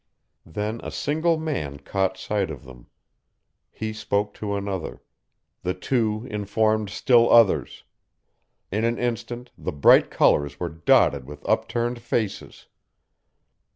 Then a single man caught sight of them. He spoke to another; the two informed still others. In an instant the bright colors were dotted with upturned faces.